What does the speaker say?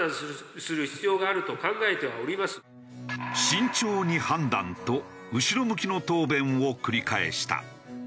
「慎重に判断」と後ろ向きの答弁を繰り返した。